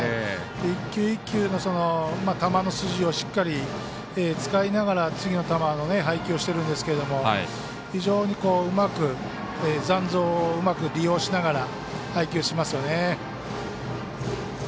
一球一球の弾の筋をしっかり使いながら次の球の配球をしてるんですけど非常に残像をうまく利用しながら配球しますよね。